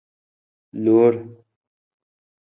Lore.